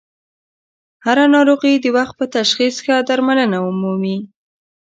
هر ه ناروغي د وخت په تشخیص ښه درملنه مومي.